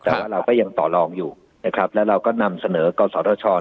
แต่ว่าเราก็ยังต่อลองอยู่นะครับแล้วเราก็นำเสนอกศธช